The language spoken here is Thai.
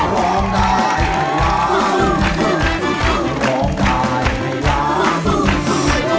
ลองได้ให้ล้าง